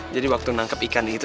jadi waktu nangkep ikan itu